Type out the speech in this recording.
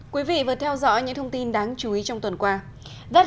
quý vị vừa theo dõi những thông tin đáng chú ý trong tuần qua